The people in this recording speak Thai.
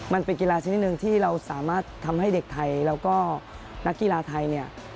มันเป็นกีฬาชนิดหนึ่งที่เราสามารถทำให้เด็กไทยแล้วก็นักกีฬาไทยเนี่ย